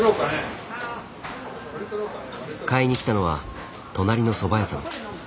買いに来たのは隣のそば屋さん。